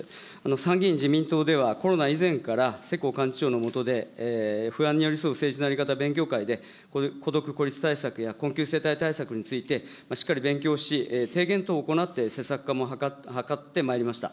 参議院自民党では、コロナ以前から、世耕幹事長の下で、に寄り添う政治の在り方勉強会で、孤独・孤立対策や困窮世帯対策について、しっかり勉強し、提言等を行って、施策化も図ってまいりました。